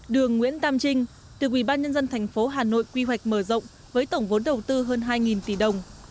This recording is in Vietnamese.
đường nguyễn tam trinh từ quỹ ban nhân dân thành phố hà nội quy hoạch mở rộng với tổng vốn đầu tư hơn hai tỷ đồng